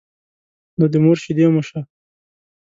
نو د مور شيدې مو شه.